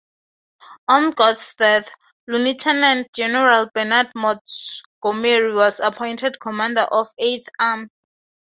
On Gott's death, Lieutenant-General Bernard Montgomery was appointed commander of the Eighth Army.